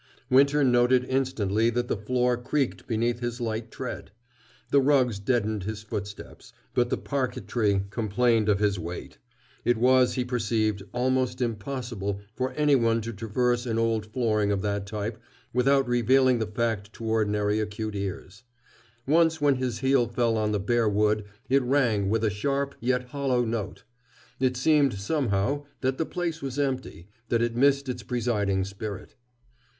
Winter noted instantly that the floor creaked beneath his light tread. The rugs deadened his footsteps, but the parquetry complained of his weight. It was, he perceived, almost impossible for anyone to traverse an old flooring of that type without revealing the fact to ordinarily acute ears. Once when his heel fell on the bare wood, it rang with a sharp yet hollow note. It seemed, somehow, that the place was empty that it missed its presiding spirit.